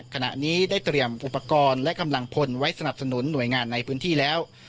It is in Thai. ขณะนี้ได้เตรียมอุปกรณ์และกำลังพลไว้สนับสนุนหน่วยงานในพื้นที่แล้ว